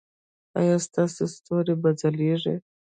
ایا ستاسو ستوري به ځلیږي؟